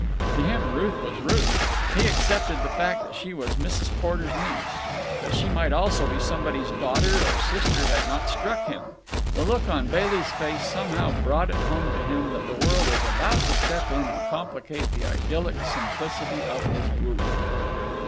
To him Ruth was Ruth. He accepted the fact that she was Mrs. Porter's niece. That she might also be somebody's daughter or sister had not struck him. The look on Bailey's face somehow brought it home to him that the world was about to step in and complicate the idyllic simplicity of his wooing.